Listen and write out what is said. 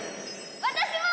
私も！